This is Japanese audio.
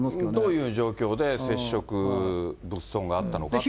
どういう状況で接触、物損があったのかっていう。